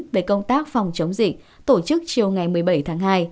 về công tác phòng chống dịch tổ chức chiều ngày một mươi bảy tháng hai